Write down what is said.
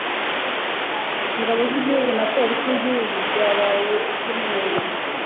ingabo z'igihugu na polisi y'igihugu byabaye iby'umwuga